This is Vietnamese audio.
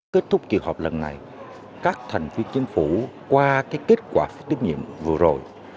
kết thúc kỳ họp lần này các thành viên chính phủ qua kết quả phiếu tín nhiệm vừa rồi